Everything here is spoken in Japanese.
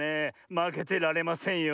まけてられませんよ。